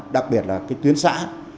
đặc biệt là cái tuyến xã